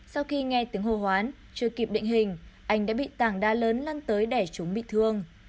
sau khi nghe tiếng hồ hoán chưa kịp định hình anh đã bị tảng đá lớn lăn tới đẻ chúng bị thương